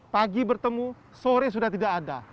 pagi bertemu sore sudah tidak ada